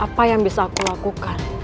apa yang bisa aku lakukan